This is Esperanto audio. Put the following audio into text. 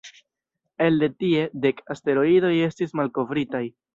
Elde tie, dek asteroidoj estis malkovritaj.